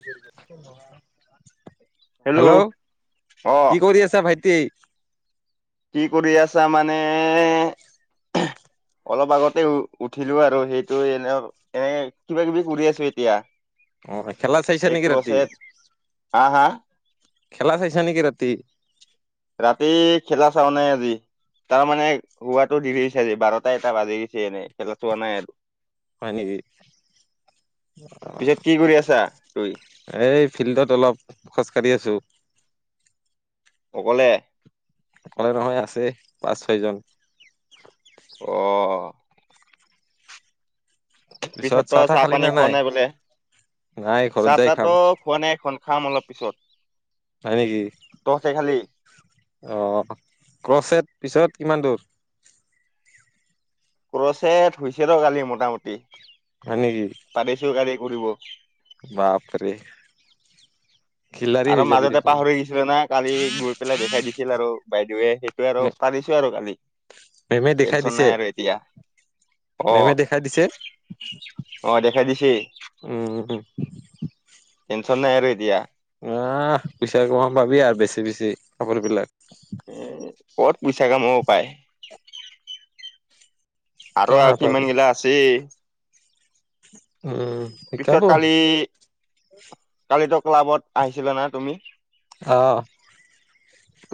[unintelligible] Hello অ কি কৰি আছা ভাইটি কি কৰি আছা মানে অলপ আগতে উ উঠিলো আৰু সেইটো এনে এনে কিবা কিবি কৰি আছো এতিয়া অ' খেলা চাইছা এক নেকি ৰাতি? প্ৰছে হাঁ হাঁ খেলা চাইছা নে কি ৰাতি ৰাতি খেলা চাও নাই আজি তাৰমানে শুৱাটো দেৰি হৈছে আজি বাৰটা এটা বাজিছে এনে খেলা চোৱা নাই আৰু হয় নেকি পিছে অ' কি কৰি আছা তু এই ফিল্ডত অলপ খোজকাঢ়ি আছো অকলে অকলে নহয় আছে পাঁচ ছয়জন। অহ। পিছত পিছতো তাহ চাহ খালি পানী নে খোৱা নাই বোলে নাই ঘৰত চাহ যাই খাম। তাহতো খোৱা নাই এখন খাম অলপ পিছত। হয় নেকি তহঁতে খালি অ ক্ৰচেট পিছত। কিমান দূৰ ক্ৰচেট হৈছে ৰ কালি মোটামুটি হয় নেকি? পাৰিছো কালি কৰিব। বাপৰে। খিলাৰি হৈ আৰু যাবি মাজতে দেখোন। পাহৰি গৈছিলে না কালি গৈ পেলাই দেখাই দিছিল আৰু বাইদেৱে। সেইটো আৰু পাৰিছো আৰু কালি মেমে দেখাই টেনচন দিছে, নাই আৰু এতিয়া। অ মেমে দেখাই দিছে অ দেখাই দিছে উম উ। টেনশ্যন নাই আৰু এতিয়া। আহ পইচা কমাব পাবি আৰু বেছি বেছি কাপোৰ বিলাক এ কত পইচা কামাব পায়। আৰু কিয় নাপাবি? কিমান গিলা আছে। [unintelligible] শিকাব। পিছত কালি কালিতো ক্লাবত আহিছিলা না তুমি। আহ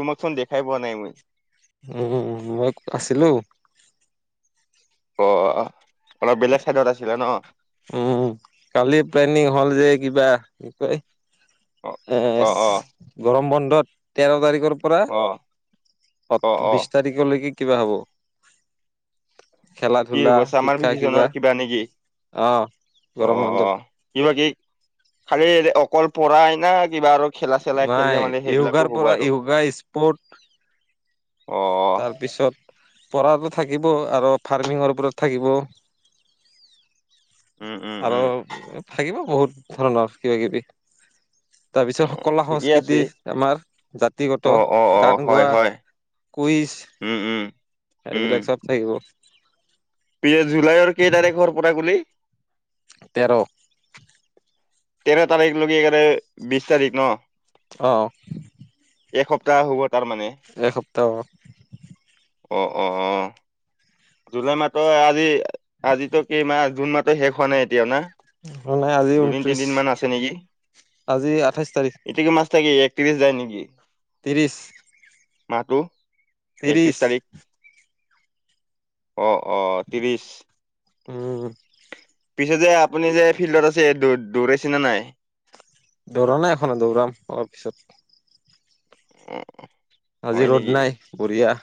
তোমাকচোন দেখাই পোৱা নাই মই। উ মই আছিলো অ অলপ বেলেগ চাইডত আছিলা ন। উম কালি প্লেনিং হল যে কিবা কি কয়। এ অ অ অ গৰম বন্ধত তেৰ তাৰিখৰ। পৰা অ অ অ বিশ তাৰিখলৈকে কিবা হ'ব। খেলা কি ধূলা হব চমাৰ শিক্ষা ভিকেষণৰ কিবা নেকি অ অ গৰম অ বন্ধত কিবা কি খালি অকল পৰা আ ন কিবা আৰু খেলা চেলা নাই খেললে মানে য়োগাৰ সেইবিলাকো হ'ব পৰা আৰু। য়োগা স্পৰ্ট অ তাৰপিছত পঢ়াতো থাকিব আৰু ফাৰ্মিঙৰ ওপৰত থাকিব। উম উম আৰু উম থাকিব বহুত ধৰণৰ কিবা কিবি। অ তাৰপিছত কলা ঠিকেই আছে সংস্কৃতি আমাৰ জাতিগত অ অ অ গান হয় গোৱা। হয় কুইছ উম উম এইবিলাক চব থাকিব। পি জুলাইৰ কেই তাৰিখৰ পৰা কুলি। তেৰ তেৰ তাৰিখ লৈকে বিশ তাৰিখ ন। অঁ এসপ্তাহ হবত এসপ্তাহ। অ অ অ জুলাই মাহৰ আজি আজো কেইমাহ জুন মাহত শেষ হোৱা নাই এতিয়াও না। নাই আজি দুদিন ঊনত্ৰিশ তিনিদিন মান আছে নেকি আজি আঠাইশ তাৰিখ এটো কি মাছ থাকে এক পিছ যায় নেকি। ত্ৰিছ মাতো ত্ৰিশ অঁ অঁ ত্ৰিছ উম পিছে যে আপুনি যে ফিল্ডত আছেৌ দৌৰেছেনে নাই। দৌৰা নাই এখনো দৌৰাাম অলপ পিছত। উ। আজি ৰ'দ নাই বঢ়িয়া।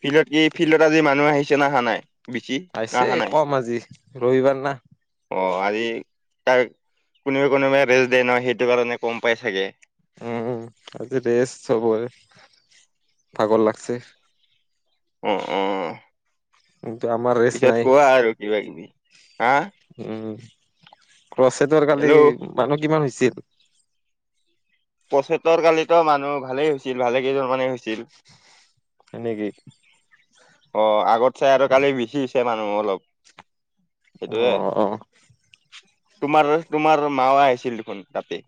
ফিল্ডত কি ফিল্ডত আজি মানুহ আহিছে নহা নাই। বেছি না পাইছে অহা নাই? কম আজি ৰবিবাৰ না। অ আজি তাই কোনোবে কোনোবাই ৰেষ্ট দিয়ে নহয় সেইটো কাৰণে কম পাই চাগে। উম আজি ৰেছ চবৰে ভাগৰ লাগছে। উম উম উম। কিন্তু আমাৰ ৰেষ্ট পিছত নাই কোৱা আৰু কিবা কিবি হা। উম ক্ৰছেটৰ কালি হেল্ল' মানুহ কিমান হৈছিল। পচেটৰ কালিতো মানুহ ভালেই হৈছিল ভালে কেইজনমানে হৈছিল। এনেকেই। অ আগত চাই আৰু কালি বিচিছে মানুহ অলপ। অ সেইটোয়ে। আহ। তোমাৰ তোমাৰ মাৱা আহিছিল দেখোন তাতে।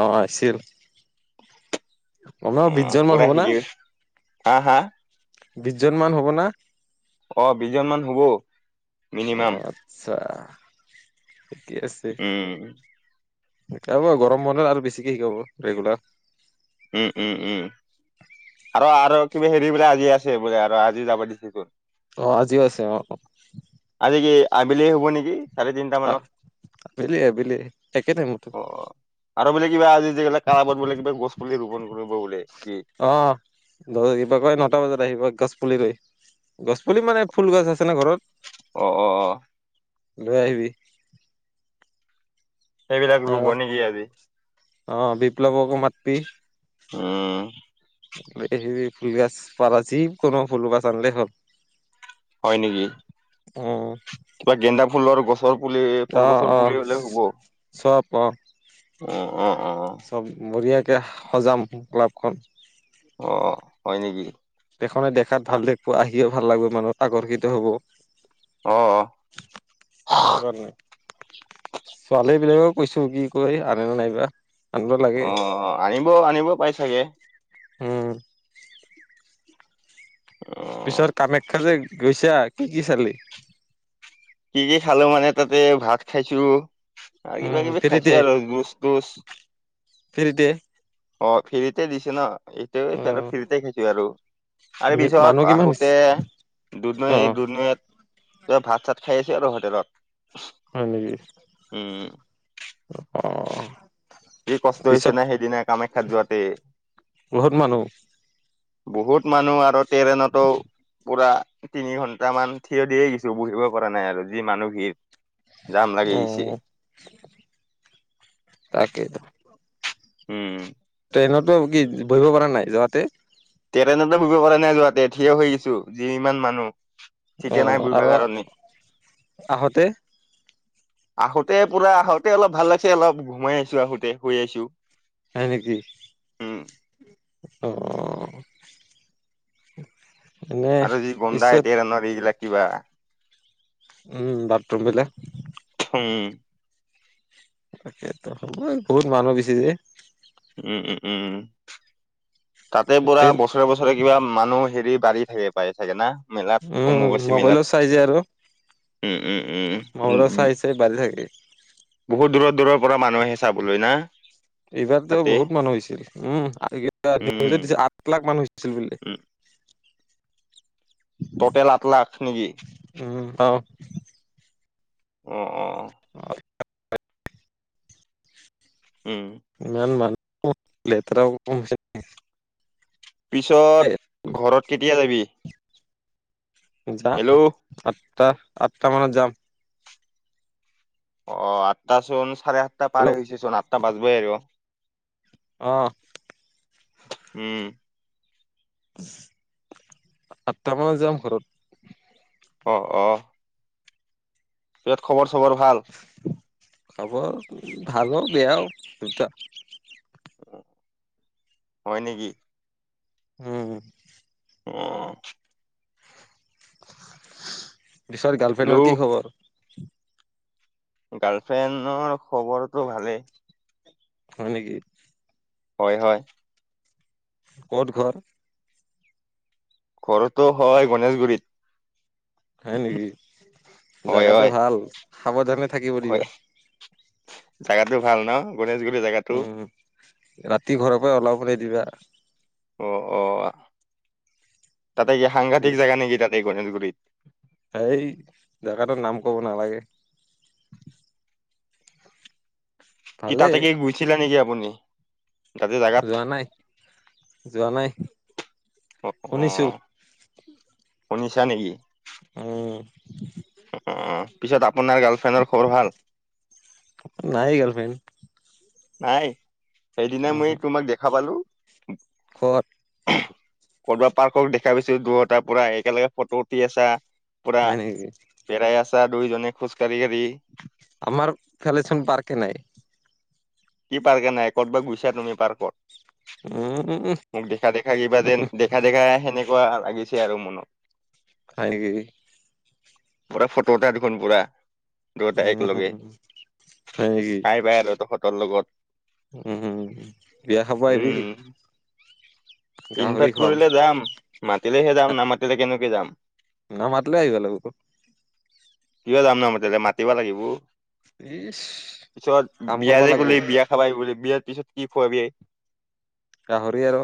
অঁ আহিছিল। ঊন বিশজন মান হ'ব না। আ হা। বিশজন মান হ'ব না। অ বিশজন মান হুব। অ আচ্ছা। ঠিকেই আছে। উম, শিকাব গৰম বনত আৰু বেছিকে শিকাব ৰেগুলাৰ। [unintelligible] উম উম উম। আৰু আৰু কিবা হেৰি বোলে আজি আছে বোলে আৰু আজি যাব দিছে চোন। অ আজিও আছে অ অ। আজি কি আবেলি হ'ব নেকি চাৰে তিনিটা মানত আবেলি আবেলি একে টাইমতো অ। বোলে কিবা আজি যিবিলাক কামত বোলে কিবা গছ। পুলি ৰোপন কৰিব বোলে কি অ দ কিবা কয় নটা বজাত আহিব গছ পুলিলৈ। গছপুলি মানে ফুল গছ আছে ন ঘৰত। অ অ অ। লৈ আহিবি। সেইবিলাক ৰুব আৰু নেকি আজি। অ বিপ্লৱকো মাততি। উম। এই ফুলগছ পাৰা যিকোনো ফুল গছ আনিলেই হ'ল। হয় নেকি। উম্। কিবা গেন্দা ফুলৰ গছৰ পুলি, ফুল গছৰ পুলি হলে হ'ব। ক'ত। অ', অ'। চব বঢ়িয়াকে সজাম ক্লাবখন। অ হয় নেকি। দেখনে দেখাত ভাল অ', লাগিব আহিয়ে ভাল লাগিব মানুহ আকৰ্ষিত হব। অ'। ছোৱানি [unintelligible] ছোৱালী বিলাকক। কৈছো কি কয় আনেনে নাইবা। আনিব লাগে অ আনিব আনিব পাই চাগে। হম। অ'। পিছত কামাখ্যা যে গৈছা কি কি চালি। কি কি খালো মানে তাতে ভাত খাইছো। আৰু কিবা উম কিবি খাইছে আৰু জুচ তুচ। ফ্ৰীতে অ ফ্ৰীতে দিছে ন এইটোয়ে উম ফ্ৰীতে দিছে আৰু তাৰ মানুহ পিছত কিমান আহোতে হৈছে? অ দুতনৈ দুনৈত ত ভাত চাত খাই আহিছোঁ আৰু হোটেলত হয় নেকি উম অ কি কষ্ট হৈছে পিছত নে সেইদিনা কামাখ্যাত যোৱাতে বহুত মানুহ বহুত মানুহ আৰু ট্ৰেৰেনতো পুৰা তিনি ঘন্টামান থিয় দিয়ে গছো বহিব পৰা নাই আৰু যি মানুহ ভিৰ জাম লাগি অ গৈছে তাকেই উম ট্ৰেইনতো কি বহিব পৰা নাই যোৱাতে ট্ৰেনত বুহিব পৰা নাই যোৱা তঠিয়ে হৈ গৈছো যি ইমান মানুহ [unintelligible] অ চিটে নাই বহিবৰ আৰু কাৰণে আহোতে আহোতে পুৰা আহোতে অলপ ভাল লাগছে অলপ ঘুমাই আহিছো আহোতে শুই আছো হয় নেকি উম অ এনে আৰু যি গোন্ধাই পিছত ট্ৰেনৰ এইবিলাক কিবা [unintelligible] বাথৰুম বিলাক উম। তাকেতো হ বহুত মানুহ গেছি যে। উম, উম, উম তাতে পুৰা ট্ৰেইন বছৰে বছৰে কিবা মানুহ হেৰি গাড়ী থাকে পায়ে চাগে না। মেলাত। উম অম্বুবাচী মেলাত মোবাইলো চাই যে আৰু উম, উম, উম, উম, মবাইলত উম। চাই চাই বাজি থাকে। বহুত দূৰৰ দূৰৰ পৰা মানুহ আহে চাবলৈ না। এইবাৰতো তাতে বহুত মানুহ হৈছিল উম নিউজত উম, দি আঠ লাখ মানুহ হৈছিল বুলি। [inaudible] টোটেল আঠ লাখ নেকি? উম অ অ অ উম, ইমান মানু্হ লেতেৰা। পিছত ঘৰত কেতিয়া যাবি? যাম হেল্ল' আঠটা আঠটা মানত যাম। অ আঠটা চোন চাৰে আঠটা হেল্ল' পাৰ গছেচোন আঠটা বাজবই আৰু অঁ উম আঠটা মানত যাম ঘৰত অ অ। খবৰ চবৰ ভাল খবৰ ভালও বেয়াও দুটা হয় নেকি? উম অ। পিছে গাৰ্লফ্ৰেণ্ডৰ কি হেল্ল' খবৰ? গাৰ্লফ্ৰেণ্ডৰ খবৰটো ভালেই। হয় নেকি? হয় হয়। ক'ত ঘৰ? ঘৰতো হয় গণেশগুৰিত। হয় নেকি হয় জাগাটো হয় ভাল সাৱধানে থাকিব দিব হয় জাগাটো ভাল ন গণেশগুৰি জেগাটো উম ৰাতি ঘৰৰ পৰা ওলাব নিদিবা। অ অ তাতে কি সাংঘাতিক জেগা নেকি তাতে এই গণেশগুৰিত। সেই জাগাটোৰ নাম কব নালাগে। কি ভালেই তাতে কি গৈছিলে নেকি আপুনি? তাতে জাগাত যোৱা নাই যোৱা নাই। অ অ শুনিছো। শুনিছা নেকি? উম। অ পিছত আপোনাৰ গাৰ্লফ্ৰেণ্ডৰ খবৰ ভাল? নাই গাৰ্লফ্ৰেণ্ড নাই সেইদিনা মই মই উহু তোমাক দেখা পালো। ক'ত? কৰ'বা পাৰ্কক দেখাই পাইছো দুটাৰ পৰাই একেলগে ফটো উঠি আছা। পুৰা হয় নেকি পেৰাই আছা দুইজনে খোজ কাঢ়ি কাঢ়ি আমাৰ ফেলে চোন পাৰ্ক নাই। কি পাৰ্ক এ নাই ক'ত বা গুছা তুমি পাৰ্কত উম মোক দেখা দেখা কিবা যেন দেখা দেখা সেনেকে কোৱা লাগিছে আৰু মনত হয় নেকি? পুৰা ফটো এটা দেখোন পুৰা দুটাই উম একে লগে হয় নেকি খাই পাই আৰু তহঁতৰ লগত উম হম বিয়া খাব আহিবি উম গাহৰি ইনভাইট খুৱাম কৰিলে যাম মাতিলেহে যাম নামাতিলে কেনেকে যাম নামা মাতিলে আহিবালে ক কিয় যাম না মাতিলে মাতিবা লাগিব তাৰ ইচ পিছত কাম বিয়া কৰবা যে লাগব গলে বিয়া খাব আহিব বিয়াত তাৰ পিছত কি খোৱাবি? গাহৰি আৰু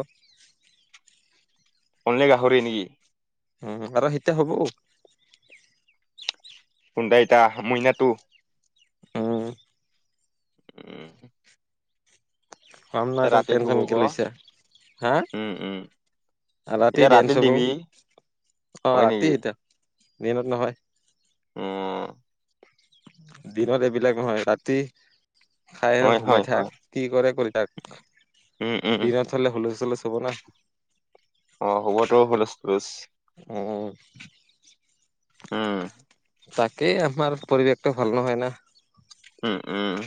অনলি গাহৰি নেকি? উ আৰু এতিয়া হব কোনড এতা মইনাটো উম। উম। পাম নাই এতিয়া তোক ৰাতি থব টেনচনক ক কিলৈছে হা উম উম ৰাতি এতিয়া ডেন্ঞ্চ হব দিবি অ হয় ৰাতি নেকি এতিয়া দিনত নহয় উম। দিনত এইবিলাক নহয় ৰাতি খাই হয় হয় সোমাই থাক হয় কি কৰে কৰি তাক উম উম দিনত হলে হলে চলে চাব না অ হবতো ভল আছে উম। উম তাকেই আমাৰ পৰিৱেশটো ভাল নহয় না উম উম।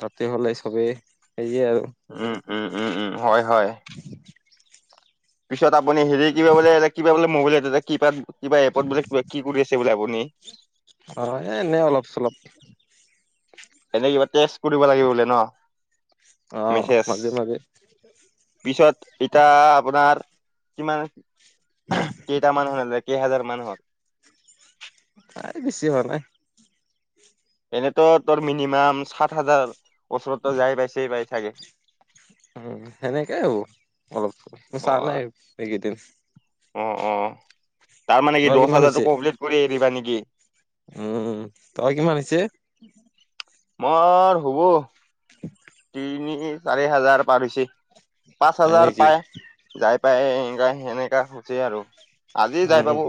যাতে হ'লে চবেই সেয়ে আৰু উম উম উম উম হয় হয় পিছত আপুনি হেৰি কিবা বোলে কিবা বোলে মোবাইল এটা কিবা কিবা এপত বোলে কিব কি কৰি আছে বোলে আপুনি অ', এ এনে [unintelligible] এনে কিবা টেষ্ট কৰিব লাগে বোলে ন অ', মেছেজ মাজে মাজে পিছত এতিয়া আপোনাৰ কিমান কেইটা মানুহ কেইহাজাৰ মান হল নাই বেছি হোৱা নাই। এনেতো তোৰ মিনিমাম সাত হাজাৰ ওচৰতো যাই পাইছে পাই থাকে উম সেনেকেই আৰু অলপ চা অ', নাই এইকেইদিন অ অ তাৰ মানে কি তই দহ কিমান হাজাৰতটো হৈছে কমপ্লিট কৰি এ দিবা নেকি উম তই কিমান হৈছে মই হবো তিনি চাৰি হাজাৰ পাৰ হৈছে পাঁচ হয় হাজাৰ নেকি পায় যাই পাই এনে সনেকা হৈছে আৰু আজি যাই পাব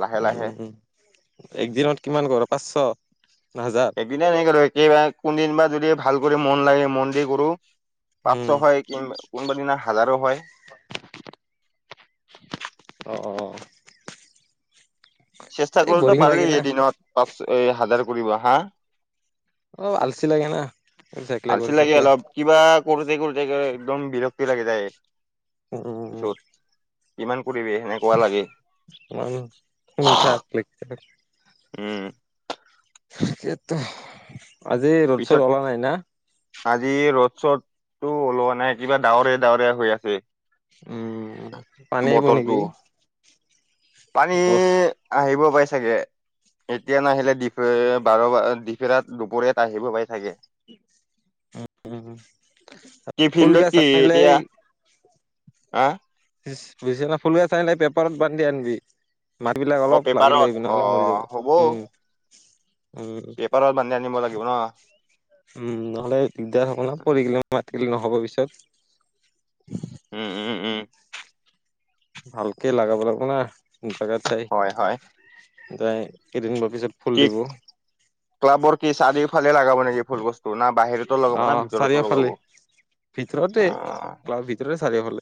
লাহে লাহে উ একদিনত কিমান কৰ পাঁচশ না হাজাৰ এইনে একেবাৰে কোনদিন বা যদি ভাল কৰি মন লাগে মন দি কৰো। উম, পাঁচশ হয় কি কোনোবা দিনা হাজাৰো হয়। অ অ। চেষ্টা এই কৰলেতো বৰিং পালি লাগে না এদিনত পাঁচ হাজাৰ কৰিব হা অ আলচি লাগে না কৰি থাকিলে আলচি কৰি লাগে থাকিলে অলপ কিবা কৰোতে কৰোতে একদম বিৰক্তি লাগে যায় উম উম উম পিছত কিমান কৰিবি সেনেকুৱা লাগে মানুহ হিংসা লাগি থাকে উম আজি ৰ'দ পিছত চদ ওলা নাই না আজি ৰ'দ চ'দটো ওলোৱা নাই কিবা ডাৱৰীয়া ডাৱৰীয়া হৈ আছে উম পানী আহিব বতৰটো নেকি পানী গছ আহিব পাইছে চাগে এতিয়া নাহিলে ডিফে বাৰ ডিফেৰাত দুপৰীয়াত আহিব পাই থাকে উম কি ফুল ফিল্ডত গছ কি আনিলেই এতিয়া হা বিচনা ফুলে গছ আনিলে পেপাৰত বান্ধি আনিবি মাট বিলাক অ অলপ লাগি পেপাৰত লৈ অ নহ'লে মৰি যাব হ'ব উম উম পেপাৰত বান্ধি আনিব লাগিব ন উম নহ'লে দিগদাৰ হ'ব ন পৰি গলে মাটিত নহ'ব পিছত উম উম উম ভালকে লাগাব লাগিব না হয় হয় দাই কেইদিনি বা পিছত ফুল কি দিব ক্লাবৰ কি চাৰিওফালে লাগাব নেকি ফুল বস্তু না বাহিৰতো লগাব না আহ ভিতৰতো চাৰিওফালে লগাব ভিতৰতে অ ক্লাৱ ভিতৰতে চাৰিও ফালে